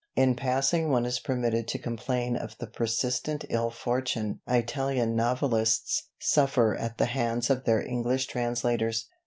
In passing one is permitted to complain of the persistent ill fortune Italian novelists suffer at the hands of their English translators.